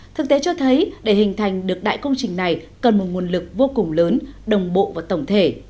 thực tế cho thấy để hình thành được đại công trình này cần một nguồn lực vô cùng lớn đồng bộ và tổng thể